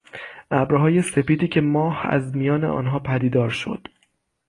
ابرهای سپیدی که ماه از میان آنها پدیدار شد